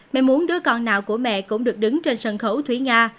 mẹ muốn đứa con nào của mẹ cũng được đứng trên sân khấu thúy nga